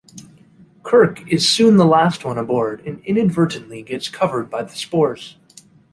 Kirk is soon the last one aboard, and inadvertently gets covered by the spores.